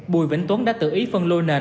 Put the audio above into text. bùi vĩnh tuấn đã tự ý phân lô nền